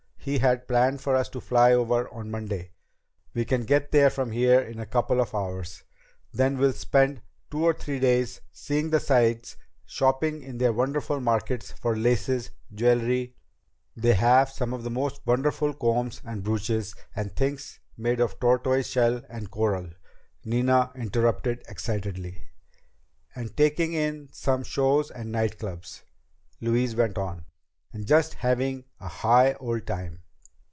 He had planned for us to fly over on Monday we can get there from here in a couple of hours. Then we'll spend two or three days seeing the sights, shopping in their wonderful markets for laces, jewelry " "They have some of the most wonderful combs and brooches and things made of tortoise shell and coral!" Nina interrupted excitedly. "... and taking in some shows and night clubs," Louise went on, "and just having a high old time."